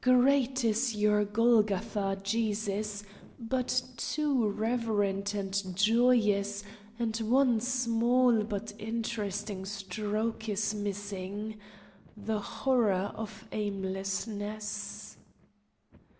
Great is Your Golgotha, Jesus, but too reverent and joyous, and one small but interesting stroke is missing the horror of aimlessness!"